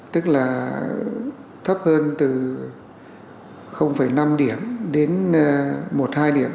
tức là thấp hơn từ năm điểm đến một hai điểm